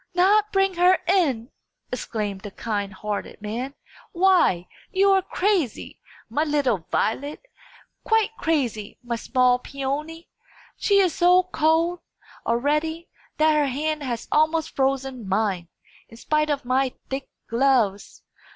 "Not bring her in!" exclaimed the kind hearted man. "Why, you are crazy, my little Violet! quite crazy, my small Peony! She is so cold, already, that her hand has almost frozen mine, in spite of my thick gloves.